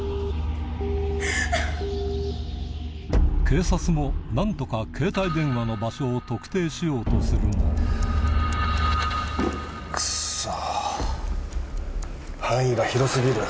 警察も何とか携帯電話の場所を特定しようとするもクッソ！